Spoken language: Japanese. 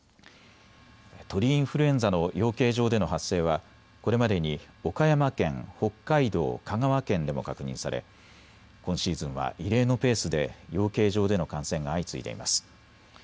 鳥インフルエンザの養鶏場での発生はこれまでに岡山県、北海道、香川県でも確認され今シーズンは異例のペースで養鶏場での感染が相次いでいます。